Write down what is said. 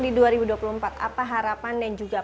di dua ribu dua puluh empat apa harapan dan juga